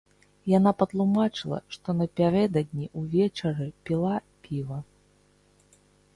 Яна патлумачыла, што напярэдадні ўвечары піла піва.